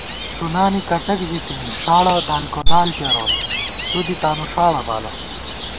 ݭُنانی کٹَک ژِتِنی ݭاڑہ دالکودال کېرون تُودی تانُوݭاڑہ بالہ